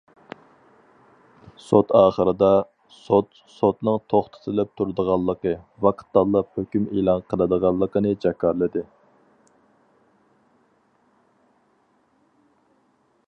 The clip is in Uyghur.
سوت ئاخىرىدا، سوت سوتنىڭ توختىتىپ تۇرۇلىدىغانلىقى، ۋاقىت تاللاپ ھۆكۈم ئېلان قىلىدىغانلىقىنى جاكارلىدى.